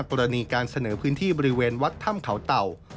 กรณีการเสนอพื้นที่บริเวณวัดถ้ำ